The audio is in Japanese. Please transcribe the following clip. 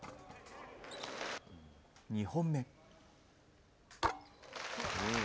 ２本目。